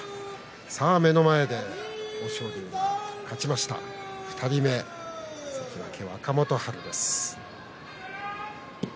さあ、目の前で豊昇龍が勝ちました２人目、関脇若元春です。